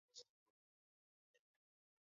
kila mtu alikuwa anachuma anavyotaka yeye